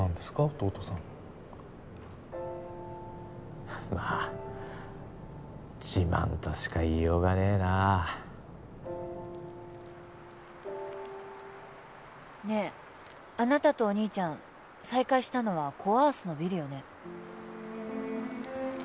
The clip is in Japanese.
弟さんまあ自慢としか言いようがねえなねえあなたとお兄ちゃん再会したのはコ・アースのビルよね？